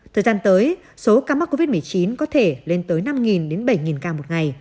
thời gian tới số ca mắc covid một mươi chín có thể lên tới năm bảy ca một ngày